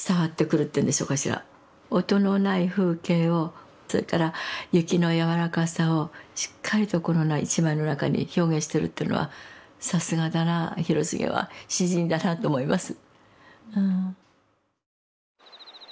音のない風景をそれから雪の柔らかさをしっかりとこの１枚の中に表現してるっていうのはさすがだな広重は詩人だなと思います。